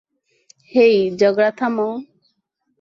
হেই, ঝগড়া থামাও।